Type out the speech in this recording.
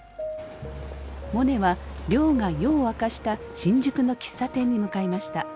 モネは亮が夜を明かした新宿の喫茶店に向かいました。